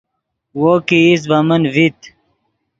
وو کہ ایست ڤے من ڤیت